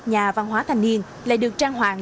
nhà văn hóa thanh niên lại được trang hoàng